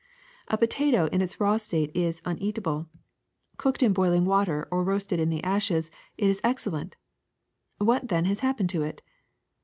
^*A potato in its raw state is uneatable. Cooked in boiling water or roasted in the ashes it is excel lent. What then has happened to it?